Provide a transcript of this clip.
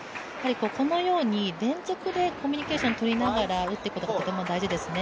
このように連続でコミュニケーションをとりながら打っていくことも大事ですね。